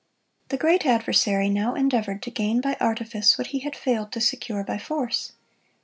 The great adversary now endeavored to gain by artifice what he had failed to secure by force.